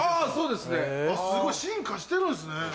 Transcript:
すごい進化してるんですね。